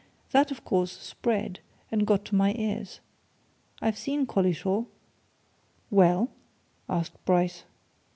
That, of course, spread, and got to my ears. I've seen Collishaw." "Well?" asked Bryce.